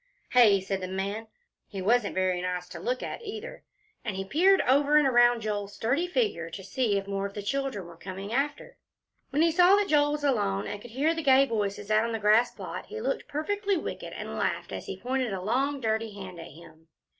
"Hey?" said the man. He wasn't very nice to look at either, and he peered over and around Joel's sturdy figure, to see if more of the children were coming after. When he saw that Joel was alone, and could hear the gay voices out on the grass plot, he looked perfectly wicked, and he laughed as he pointed a long and dirty hand at him.